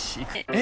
え！